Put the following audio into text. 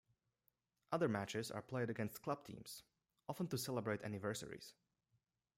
Other matches are played against club teams, often to celebrate anniversaries.